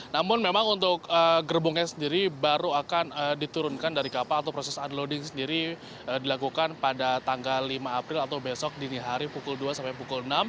namun memang untuk gerbongnya sendiri baru akan diturunkan dari kapal atau proses unloading sendiri dilakukan pada tanggal lima april atau besok dini hari pukul dua sampai pukul enam